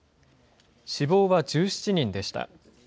死亡は１７人でした。